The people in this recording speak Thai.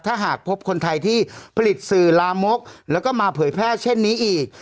ถ้าหากพบคนไทยที่ผลิตสื่อลามกแล้วก็มาเผยแพร่เช่นนี้อีก